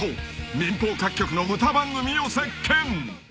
［民放各局の歌番組を席巻！］